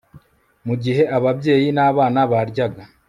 Mu gihe ababyeyi nabana baryaga